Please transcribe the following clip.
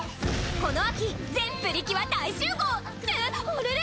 この秋全プリキュア大集合！ってあれれ？